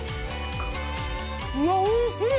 うわおいしい！